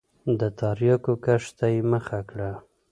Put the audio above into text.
د تریاکو کښت ته یې مخه کړه.